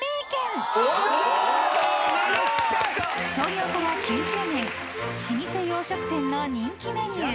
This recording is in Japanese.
［創業から９０年老舗洋食店の人気メニュー］